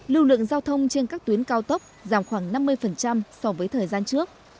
lưu lượng giao thông trên các tuyến cao tốc giảm khoảng năm mươi so với thời gian trước